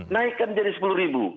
naikkan jadi sepuluh ribu